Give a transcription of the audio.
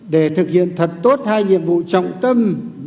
để thực hiện thật tốt hai nhiệm vụ trọng tâm